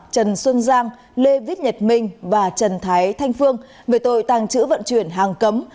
trần xuân giang lê viết nhật minh và trần thái thanh phương về tội tàng trữ vận chuyển hàng cấm